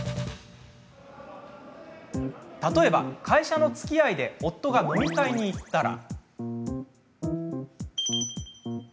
例えば、会社のつきあいで夫が飲み会に行ったら。